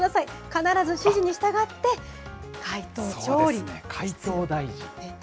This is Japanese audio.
必ず指示に従って、解凍・調理。